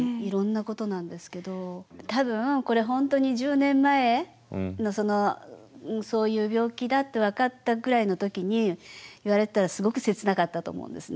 多分これ本当に１０年前のそういう病気だって分かったくらいの時に言われてたらすごく切なかったと思うんですね。